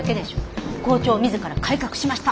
「校長自ら改革しました！」